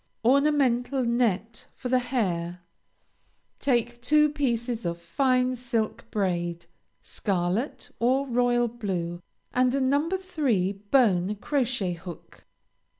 ORNAMENTAL NET FOR THE HAIR. Take two pieces of fine silk braid, scarlet or royal blue, and a No. 3 bone crochet hook.